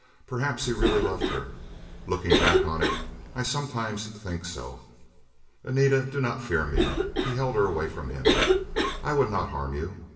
Perhaps he really loved her. Looking back on it, I sometimes think so. "Anita, do not fear me." He held her away from him. "I would not harm you.